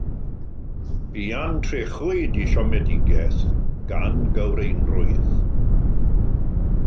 Buan y trechwyd ei siomedigaeth gan gywreinrwydd.